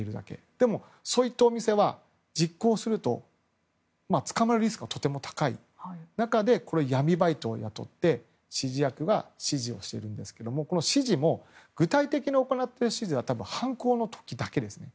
でも、そういったお店は実行すると捕まるリスクがとても高いそういう中で闇バイトを雇って指示役は指示をするんですがこの指示も、具体的な指示は犯行の時だけですね。